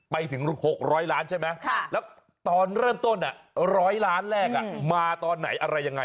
ไปถึง๖๐๐ล้านใช่ไหมแล้วตอนเริ่มต้น๑๐๐ล้านแรกมาตอนไหนอะไรยังไง